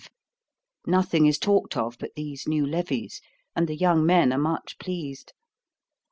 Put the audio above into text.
Nothing is talked of but these new levies, and the young men are much pleased.